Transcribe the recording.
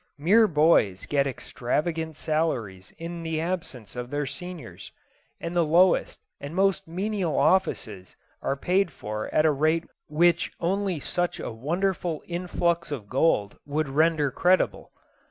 Mere boys get extravagant salaries in the absence of their seniors; and the lowest and most menial offices are paid for at a rate which only such a wonderful influx of gold would render credible.